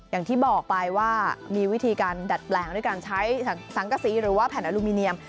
อย่างที่บอกไปว่ามีวิธีการดัดแปลงด้วยการใช้สังกษีหรือว่าแผ่นอลูมิเนียม